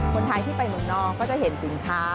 คนไทยที่ไปเมืองนอกก็จะเห็นสินค้า